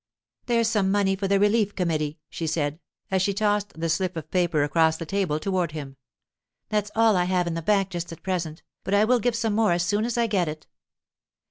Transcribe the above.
'There's some money for the Relief Committee,' she said, as she tossed the slip of paper across the table toward him. 'That's all I have in the bank just at present, but I will give some more as soon as I get it.